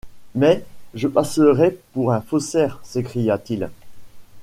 Mais je passerais pour un faussaire, s’écria-t-il.